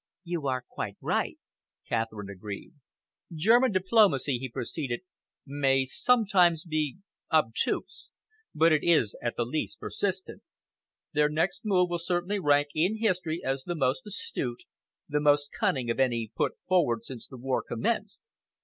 "You are quite right," Catherine agreed. "German diplomacy," he proceeded, "may sometimes be obtuse, but it is at least persistent. Their next move will certainly rank in history as the most astute, the most cunning of any put forward since the war commenced.